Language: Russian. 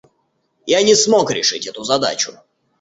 Я не смог решить эту задачу.